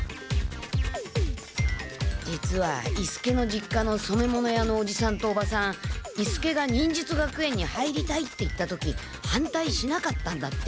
実は伊助の実家のそめ物屋のおじさんとおばさん伊助が「忍術学園に入りたい」って言った時反対しなかったんだって。